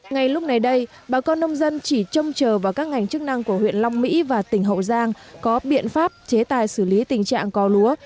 ngay lúc này đây bà con nông dân chỉ trông chờ vào các ngành chức năng của huyện long mỹ và tỉnh hậu giang có biện pháp chế tài xử lý tình trạng có lúa